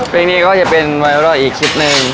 เพลงนี้ก็จะเป็นไวรัลอีกคลิปหนึ่ง